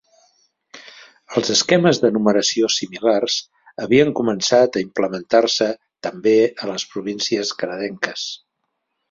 Els esquemes de numeració similars havien començat a implementar-se també a les províncies canadenques.